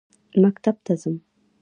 مکتب ته ځم.